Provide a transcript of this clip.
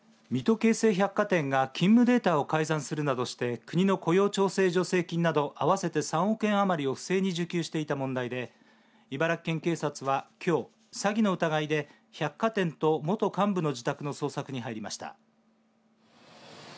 水戸京成百貨店が勤務データを改ざんするなどして国の雇用調整助成金など合わせて３億円余りを不正に受給していた問題で茨城県警察は、きょう詐欺の疑いで百貨店と元幹部の自宅の捜索に入りました。